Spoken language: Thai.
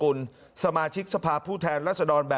คุณสิริกัญญาบอกว่า๖๔เสียง